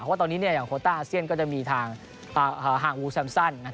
ว่าตอนนี้อย่างโคต้าอาเซียนก็จะมีทางห่างวูแซมซัน